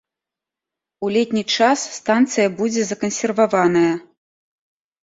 У летні час станцыя будзе закансерваваная.